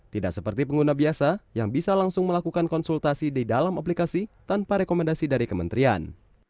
tidak seperti pengguna biasa yang bisa langsung melakukan konsultasi di dalam aplikasi tanpa rekomendasi dari kementerian